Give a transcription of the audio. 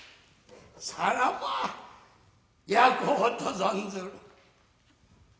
さらば焼こうと存ずる。